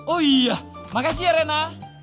oh iya terima kasih rena